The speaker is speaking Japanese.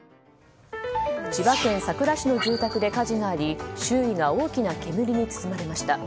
千葉県佐倉市の住宅で火事があり周囲が大きな煙に包まれました。